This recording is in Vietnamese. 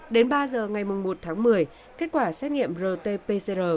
đến ba giờ ngày một tháng một mươi kết quả xét nghiệm rt pcr